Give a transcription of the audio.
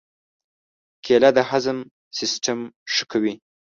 کېله د هضم سیستم ښه کوي.